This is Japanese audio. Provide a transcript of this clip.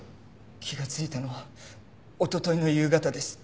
気がついたのはおとといの夕方です。